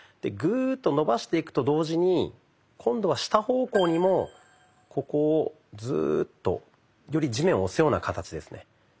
グーッと伸ばしていくと同時に今度は下方向にもここをズーッとより地面を押すような形ですね。